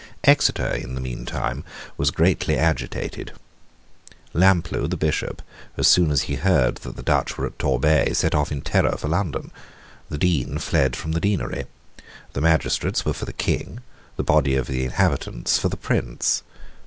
Exeter, in the meantime, was greatly agitated. Lamplugh, the bishop, as soon as he heard that the Dutch were at Torbay, set off in terror for London. The Dean fled from the deanery. The magistrates were for the King, the body of the inhabitants for the Prince.